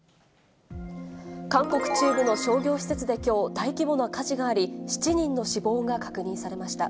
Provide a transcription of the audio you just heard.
韓国中部の商業施設できょう、大規模な火事があり、７人の死亡が確認されました。